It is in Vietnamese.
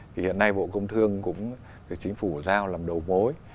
thì hiện nay bộ công thương cũng chính phủ giao làm đầu mối